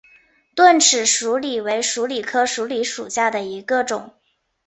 钝齿鼠李为鼠李科鼠李属下的一个种。